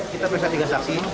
kita memeriksa tiga saksi